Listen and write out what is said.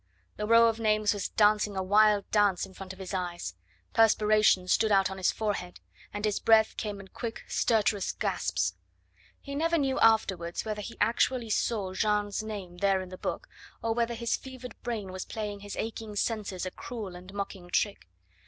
The row of names was dancing a wild dance in front of his eyes; perspiration stood out on his forehead, and his breath came in quick, stertorous gasps. He never knew afterwards whether he actually saw Jeanne's name there in the book, or whether his fevered brain was playing his aching senses a cruel and mocking trick.